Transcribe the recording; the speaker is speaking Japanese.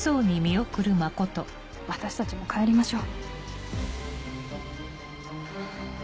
私たちも帰りましょう。